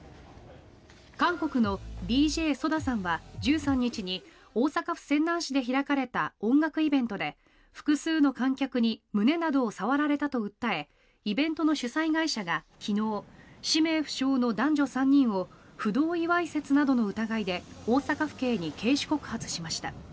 韓国のＤＪＳＯＤＡさんは１３日に大阪府泉南市で開かれた音楽イベントで複数の観客に胸などを触られたと訴えイベントの主催会社が昨日氏名不詳の男女３人を不同意わいせつなどの疑いで大阪府警に刑事告発しました。